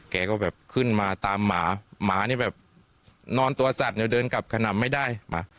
แกก็แบบขึ้นมาตามหมาหมานี่แบบนอนตัวสัตว์เนี่ยเดินกลับขนำไม่ได้มา